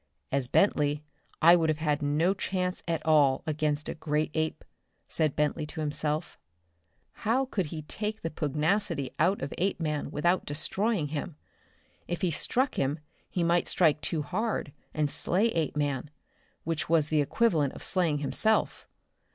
"As Bentley I would have no chance at all against a great ape," said Bentley to himself. How could he take the pugnacity out of Apeman without destroying him? If he struck him he might strike too hard and slay Apeman which was the equivalent of slaying himself.